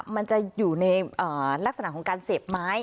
มันจะอยู่ในลักษณะของการเสพไม้